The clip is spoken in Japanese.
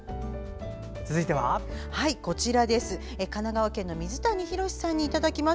続いてはこちら神奈川県の水谷宏さん。